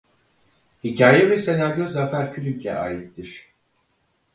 Hikâye ve senaryo Zafer Külünk'e aittir.